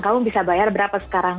kamu bisa bayar berapa sekarang